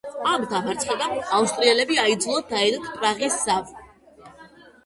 ამ დამარცხებამ ავსტრიელები აიძულა დაედოთ პრაღის ზავი.